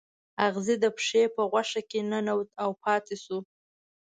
اغزی د پښې په غوښه کې ننوت او پاتې شو.